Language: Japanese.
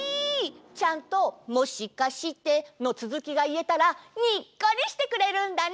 ちゃんと「もしかして」のつづきがいえたらにっこりしてくれるんだね。